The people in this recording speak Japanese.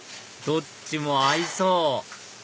どっちも合いそう！